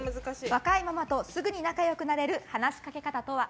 若いママとすぐに仲良くなれる話しかけ方とは？